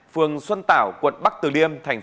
phường trung hòa quận cầu giấy tp hà nội